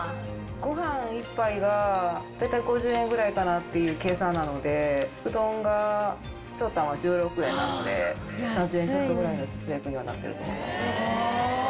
ごはん１杯が大体５０円ぐらいかなっていう計算なのでうどんが１玉１６円なので３０円ちょっとぐらいの節約にはなってると思います。